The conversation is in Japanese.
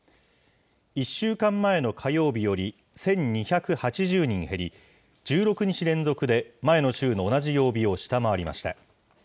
１週間前の火曜日より１２８０人減り、１６日連続で前の週の同じ曜日を下回りました。